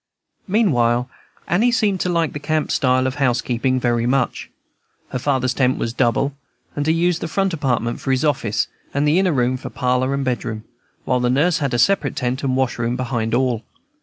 Meanwhile Annie seemed to like the camp style of housekeeping very much. Her father's tent was double, and he used the front apartment for his office, and the inner room for parlor and bedroom; while the nurse had a separate tent and wash room behind all.